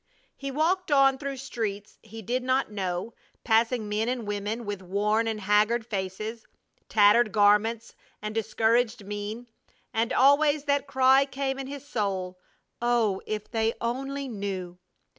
He walked on through streets he did not know, passing men and women with worn and haggard faces, tattered garments, and discouraged mien; and always that cry came in his soul, "Oh, if they only knew!"